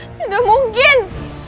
hanya menguasai jurus kegelapan